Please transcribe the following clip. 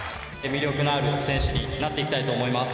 魅力のある選手になっていきたいと思います。